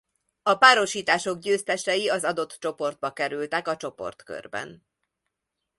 A párosítások győztesei az adott csoportba kerültek a csoportkörben.